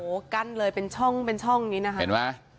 โอ้โหกั้นเลยเป็นช่องเป็นช่องนี้นะคะเห็นไหม